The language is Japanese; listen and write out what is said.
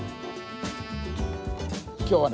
今日はね